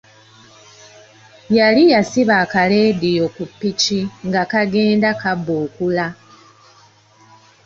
Yali yasiba akaleediyo ku ppiki nga kagenda kabuukula.